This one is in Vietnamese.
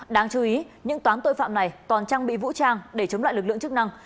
đáng chú ý những toán tội phạm này còn trang bị vũ trang để chống lại lực lượng chức năng